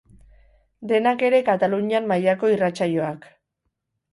Denak ere Katalunian mailako irratsaioak.